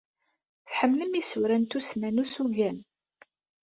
Tḥemmlem isura n tussna n ussugen?